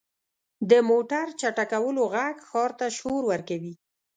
• د موټر چټکولو ږغ ښار ته شور ورکوي.